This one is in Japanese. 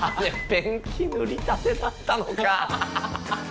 ペンキ塗りたてだったのか！